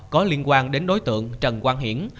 có liên quan đến đối tượng trần quang hiển